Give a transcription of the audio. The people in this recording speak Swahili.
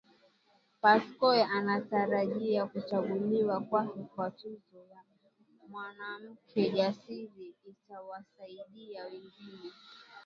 Pascoe anatarajia kuchaguliwa kwake kwa tuzo ya Mwanamke Jasiri itawasaidia wengine